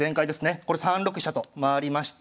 これ３六飛車と回りまして。